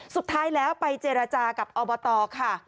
สุดท้ายแล้วไปเจรจากับอบตค่ะ